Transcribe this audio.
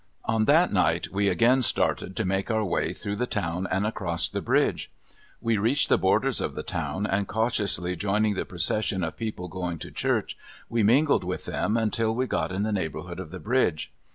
On that night we again started to make our way through the town and across the bridge. We reached the borders of the town, and cautiously joining the procession of people going to church, we mingled with them until we got in the neighborhood of the bridge.